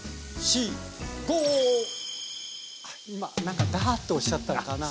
今なんか「ダー！」っておっしゃったかなあ。